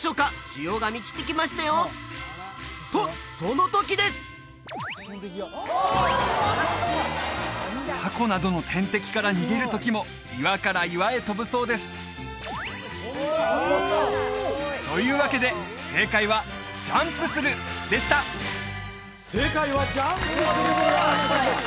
潮が満ちてきましたよとその時ですタコなどの天敵から逃げる時も岩から岩へ跳ぶそうですというわけで正解は「ジャンプする」でした正解は「ジャンプする」でよかったんです